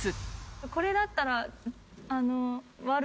これだったらあの。